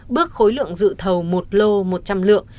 bước khối lượng dự thầu một lô một trăm linh lượng